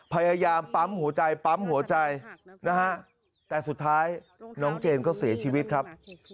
พยายามปั๊มหัวใจปั๊มหัวใจนะฮะแต่สุดท้ายน้องเจนก็เสียชีวิตครับ